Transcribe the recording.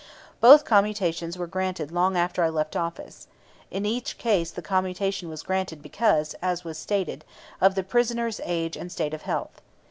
Both commutations were granted long after I left office. In each case the commutation was granted because, as was stated, of the prisoner's age and state of health.